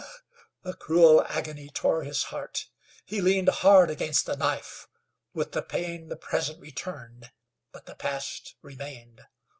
A cruel agony tore his heart. He leaned hard against the knife. With the pain the present returned, but the past remained.